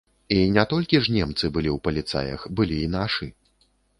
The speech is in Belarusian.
І не толькі ж немцы былі ў паліцаях, былі і нашы.